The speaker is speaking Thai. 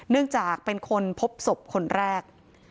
เนื่องจากเป็นคนพบศพคนแรก